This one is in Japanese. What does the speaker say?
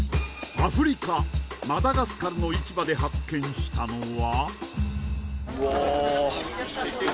アフリカマダガスカルの市場で発見したのは？